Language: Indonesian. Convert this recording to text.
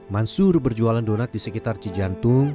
mansur berjualan donat di sekitar cijantung